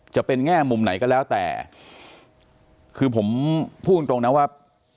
แง่มุมไหนก็แล้วแต่คือผมพูดตรงนะว่า